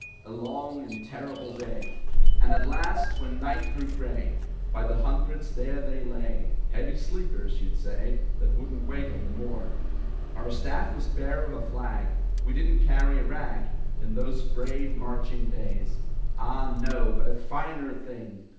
A long and terrible day! And at last, when night grew gray, By the hundreds, there they lay (Heavy sleepers, you'd say), That wouldn't wake on the morn. Our staff was bare of a flag, We didn't carry a rag In those brave marching days; Ah, no, but a finer thing!